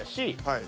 はい。